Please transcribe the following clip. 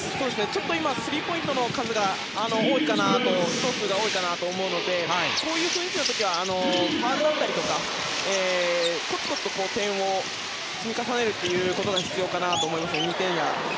今、スリーポイントの試投数が多いかなと思うのでこういう雰囲気の時はファウルだったりだとかコツコツと点を積み重ねることが大切かなと思います。